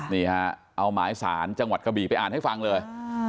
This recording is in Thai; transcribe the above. นี่ฮะเอาหมายสารจังหวัดกระบี่ไปอ่านให้ฟังเลย